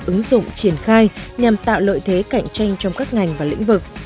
ứng dụng triển khai nhằm tạo lợi thế cạnh tranh trong các ngành và lĩnh vực